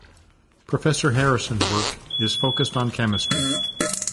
Professor Harrison work is focused on chemistry.